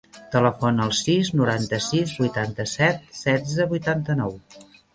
Telefona al sis, noranta-sis, vuitanta-set, setze, vuitanta-nou.